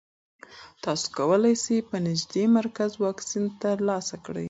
تاسو کولی شئ په نږدې مرکز واکسین ترلاسه کړئ.